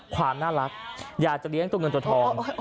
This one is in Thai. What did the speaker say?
ความน่ารักอยากจะเลี้ยงตัวเงินตัวทอง